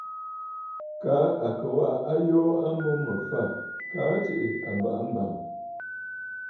Kaa à kɨ̀ waʼa ayoo a mbo mə̀ fâ, kaa tsiʼì àbàʼa mbàŋ!